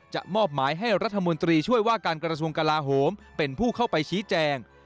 มอบหมายให้รัฐมนตรีช่วยว่าการกระทรวงกลาโหมเป็นผู้เข้าไปชี้แจง